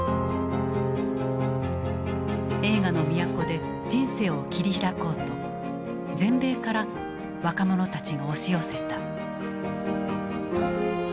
映画の都で人生を切り開こうと全米から若者たちが押し寄せた。